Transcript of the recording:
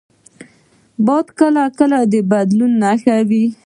باد کله کله د بدلون نښه وي